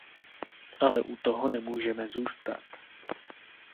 Ale u toho nemůžeme zůstat.